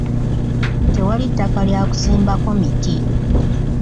Tewali ttaka lya kusimbako miti.